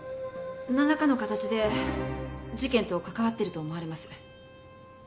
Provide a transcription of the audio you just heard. なんらかの形で事件と関わってると思われます。